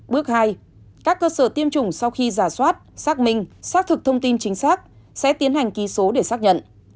bước hai các cơ sở tiêm chủng sau khi giả soát xác minh xác thực thông tin chính xác sẽ tiến hành ký số để xác nhận